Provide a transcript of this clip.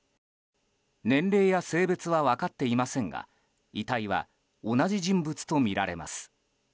年齢や性別は分かっていませんが遺体は同じ人物とみられます。